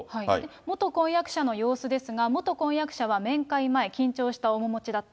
元婚約者の様子ですが、元婚約者は面会前、緊張した面持ちだった。